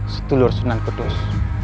setulur senang pedus